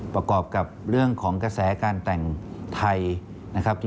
ประกอบกับเรื่องของกระแสการแต่งไทยนะครับ